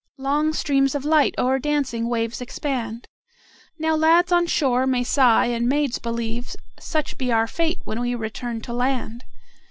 Long streams of light o'er dancing waves expand; Now lads on shore may sigh and maids believe; Such be our fate when we return to land!